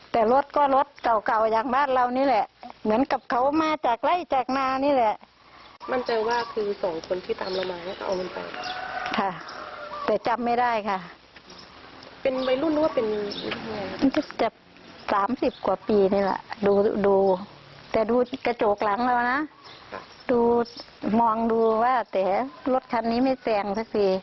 แต่ทุกครั้งต่อไปก็ไม่ได้มุมทั้งอยู่แต่ดูกระจกหลังเรานะดูมองดูว่าแต่รถคันนี้ไม่แทรกซิ